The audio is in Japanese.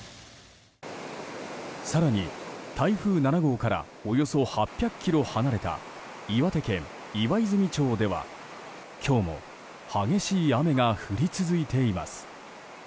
更に台風７号からおよそ８００ｋｍ離れた岩手県岩泉町では今日も激しい雨が降り続いています。